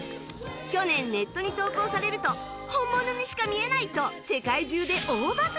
去年ネットに投稿されると「本物にしか見えない！」と世界中で大バズリ！